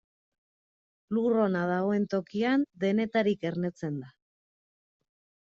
Lur ona dagoen tokian, denetarik ernetzen da.